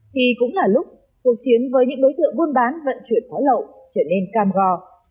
thì cũng là lúc cuộc chiến với những đối tượng buôn bán vận chuyển pháo lậu trở nên cam go